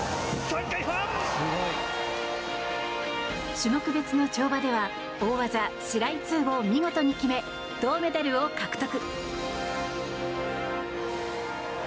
種目別の跳馬では大技シライ２を見事に決め銅メダルを獲得。